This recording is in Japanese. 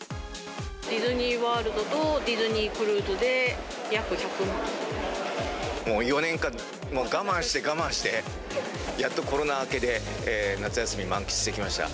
ディズニーワールドとディズもう４年間、我慢して我慢して、やっとコロナ明けで、夏休み、満喫できました。